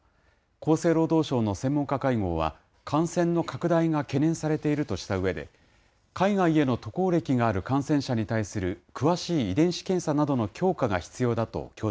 厚生労働省の専門家会合は、感染の拡大が懸念されているとしたうえで、海外への渡航歴がある感染者に対する詳しい遺伝子検査などの強化